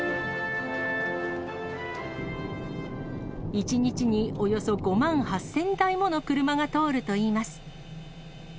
１日におよそ５万８０００台もの車が通るといいます。